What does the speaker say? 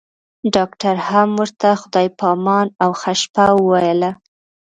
ډاکټر هم ورته خدای په امان او ښه شپه وويله.